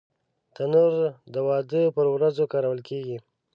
تنور د واده پر ورځو کارول کېږي